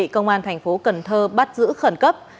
công an tp cn bắt giữ khẩn cấp